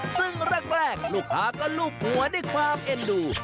ซึ่งแรกลูกค้าก็ลูบหัวด้วยความเอ็นดู